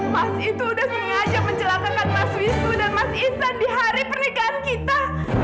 mas itu sudah mengajak mencelakakan mas wisnu dan mas iksan di hari pernikahan kita